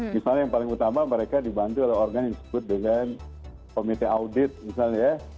misalnya yang paling utama mereka dibantu oleh organ yang disebut dengan komite audit misalnya ya